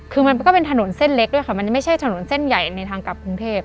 คือมันก็เป็นถนนเส้นเล็กด้วยค่ะมันไม่ใช่ถนนเส้นใหญ่ในทางกลับกรุงเทพ